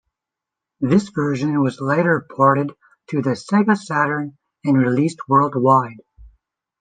This version was later ported to the Sega Saturn and released worldwide.